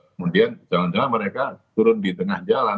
kemudian jangan jangan mereka turun di tengah jalan